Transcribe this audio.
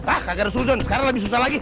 hah gak ada susun sekarang lebih susah lagi